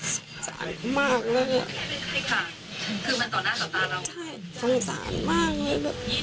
สงสารมากลูกค่ะคือมันต่อหน้าต่อตาเราใช่สงสารมาก